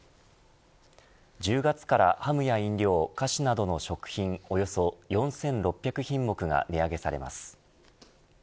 １０月からハムや飲料菓子などの食品およそ４６００品目が値上げされます。